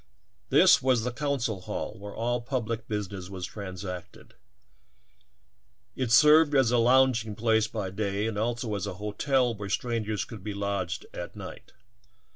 This was the coun cil hall where all public business was transacted ; it served as a lounging place by day and also as a hotel where strangers could be lodged at night.